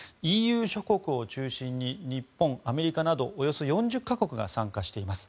ＥＵ諸国を中心に日本、アメリカなどおよそ４０か国が参加しています。